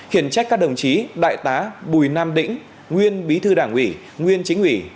khiển trách các đồng chí đại tá bùi nam đĩnh nguyên bí thư đảng ủy nguyên chính ủy